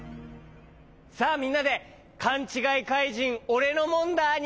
さあみんなでかんちがいかいじんオレノモンダーに。